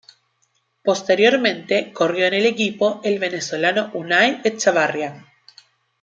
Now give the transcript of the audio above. Posteriormente corrió en el equipo el venezolano Unai Etxebarria.